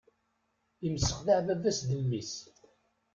Imsexdeɛ baba-s d mmi-s.